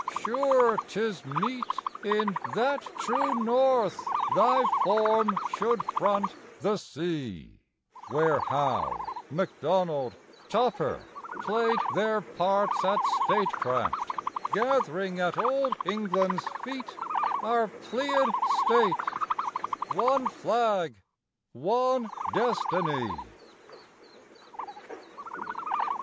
Sure 'tis meet In "that true North" thy form should front the sea, Where Howe, McDonald, Tupper played their parts At statecraft, gath'ring at Old England's feet Our Pleiad State, one flag, one destiny.